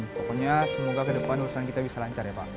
pokoknya semoga kedepan urusan kita bisa lancar ya pak